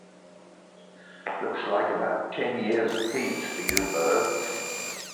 Looks like about ten years a piece for you birds.